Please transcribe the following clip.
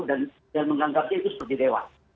dan menganggapnya itu seperti dewa